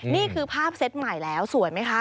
นี่คือภาพเซตใหม่แล้วสวยไหมคะ